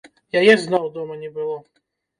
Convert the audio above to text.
Яе зноў дома не было.